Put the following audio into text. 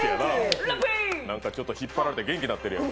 なんか、ちょっと引っ張られて元気になってるやん。